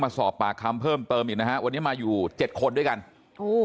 สอบปากคำเพิ่มเติมอีกนะฮะวันนี้มาอยู่เจ็ดคนด้วยกันโอ้